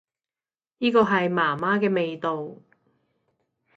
依個係媽媽嘅味道